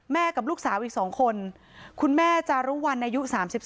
กับลูกสาวอีก๒คนคุณแม่จารุวันอายุ๓๒